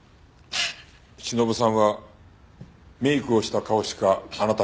しのぶさんはメイクをした顔しかあなたに見せなかった。